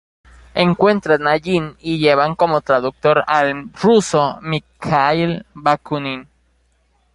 Encuentran a Jin y llevan como traductor al ruso Mikhail Bakunin.